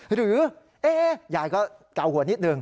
หรือยายก็เกาหัวนิดหนึ่ง